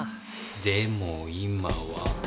でも今は。